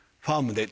「ファーム」！